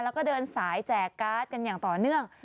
แล้วก็เดินสายแจกการ์ดกันอย่างต่อเนื่อง